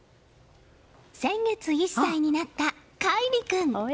先月１歳になった海里君。